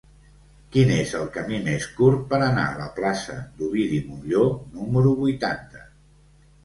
Quin és el camí més curt per anar a la plaça d'Ovidi Montllor número vuitanta?